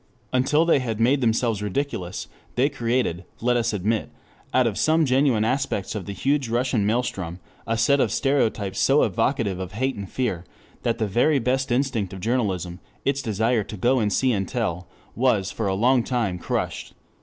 Until they had made themselves ridiculous they created, let us admit, out of some genuine aspects of the huge Russian maelstrom, a set of stereotypes so evocative of hate and fear, that the very best instinct of journalism, its desire to go and see and tell, was for a long time crushed.